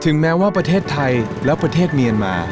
แม้ว่าประเทศไทยและประเทศเมียนมา